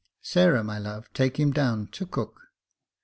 Sarah, my love, take him down to cook."